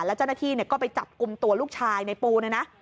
แล้วเจ้าหน้าที่เนี่ยก็ไปจับกุ่มตัวลูกชายในปูนะนะ